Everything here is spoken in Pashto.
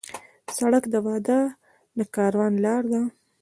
سړک د واده د کاروان لار ده.